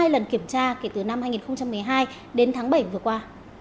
hai mươi hai lần kiểm tra kể từ năm hai nghìn một mươi hai đến tháng bảy vừa qua